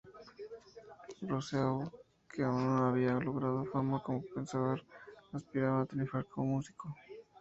Rousseau, que aún no había logrado fama como pensador, aspiraba a triunfar como músico.